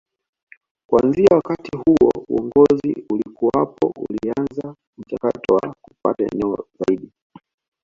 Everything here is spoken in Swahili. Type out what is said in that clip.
Kuanzia wakati huo uongozi uliokuwapo ulianza mchakato wa kupata eneo zaidi